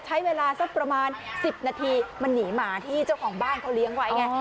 ใช้เวลาสักประมาณ๑๐นาทีมันหนีหมาที่เจ้าของบ้านเขาเลี้ยงไว้ไง